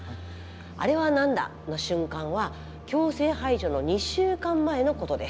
「あれはなんだ！」の瞬間は強制排除の２週間前のことです。